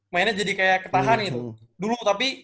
mainnya jadi kayak ketahan gitu dulu tapi